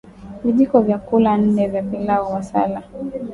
vijiko vya chakula nne vya pilau masala